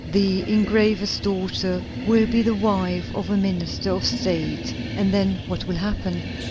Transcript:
The engraver's daughter will be the wife of a minister of State. And then what will happen?